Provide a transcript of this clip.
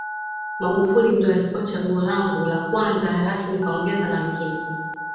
Magufuli ndio alikuwa chaguo langu la kwanza halafu nikaongeza na wengine